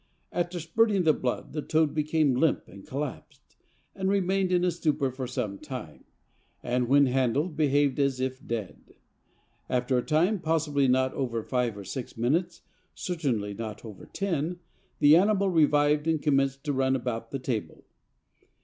After spurting the blood the toad became limp and collapsed, 180 and remained in a stupor for some time, and, when handled, behaved as if dead. After a time, possibly not over five or six minutes, certainly not over ten, the animal revived and commenced to run about the table."